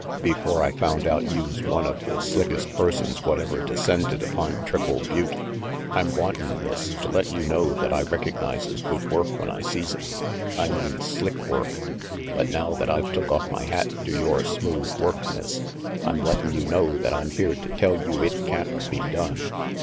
"Before I found out youse one of the slickest persons what ever descended upon Triple RANGY PETE 289 Butte. I'm wantin', Miss, to let you know that I recognizes good work when I sees it. I mean slick work. But now that I've took off my hat to yore smooth work, Miss, I'm lettin' you know that I'm here to tell you it can't be done."